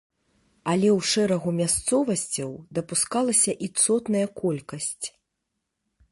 Але ў шэрагу мясцовасцяў дапускалася і цотная колькасць.